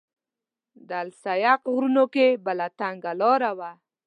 د السیق غرونو کې بله تنګه لاره وه.